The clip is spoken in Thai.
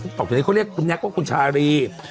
ทุกต่อไปเขาเรียกคุณคุณนักเขาคุณชาลี